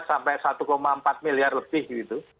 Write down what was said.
sampai satu empat miliar lebih gitu